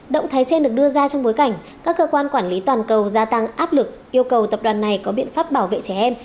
động thái trên được đưa ra trong bối cảnh các cơ quan quản lý toàn cầu gia tăng áp lực yêu cầu tập đoàn này có biện pháp bảo vệ trẻ em